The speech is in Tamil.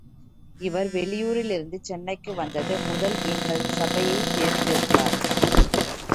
இவர் வெளியூரிலிருந்து சென்னைக்கு வந்தது முதல் எங்கள் சபையைச் சேர்ந்திருந்தார்.